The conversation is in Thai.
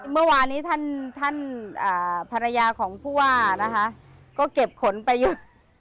เมื่อวานนี้ท่านภรรยาของผู้ว่าก็เก็บขนไปอยู่